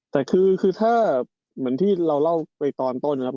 แต่คือถ้าเหมือนที่เราเล่าไปตอนต้นนะครับ